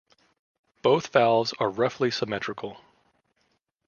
Both valves are roughly symmetrical.